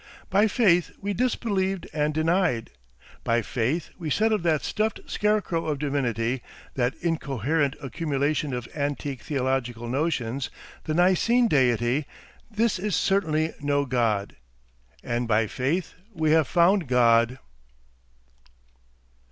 By faith we disbelieved and denied. By faith we said of that stuffed scarecrow of divinity, that incoherent accumulation of antique theological notions, the Nicene deity, "This is certainly no God." And by faith we have found God.